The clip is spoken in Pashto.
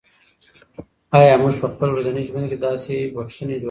آیا موږ په خپل ورځني ژوند کې د داسې بښنې جرات لرو؟